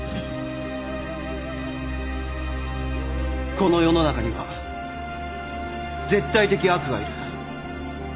この世の中には絶対的悪がいる。